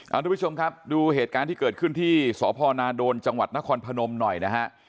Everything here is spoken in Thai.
เอาทุกผู้ชมครับดูเหตุการณ์ที่เกิดขึ้นที่สพนาโดนจังหวัดนครพนมหน่อยนะฮะ